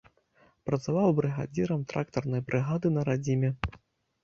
Працаваў брыгадзірам трактарнай брыгады на радзіме.